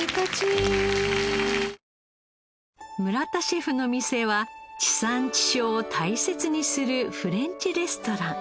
村田シェフの店は地産地消を大切にするフレンチレストラン。